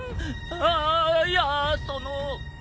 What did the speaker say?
ああいやその。